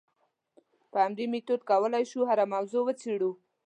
په همدې میتود کولای شو هره موضوع وڅېړو.